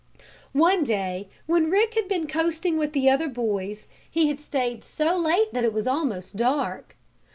One day when Rick had been coasting with the other boys he had stayed so late that it was almost dark.